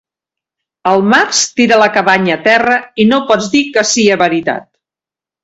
El març tira la cabanya a terra i no pots dir que sia veritat.